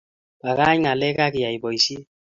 Bakaach ngalek agiyai boisiet